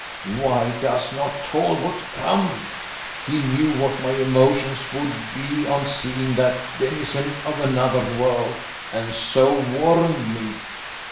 Why does not Talbot come? He knew what my emotions would be on seeing that denizen of another world, and so warned me."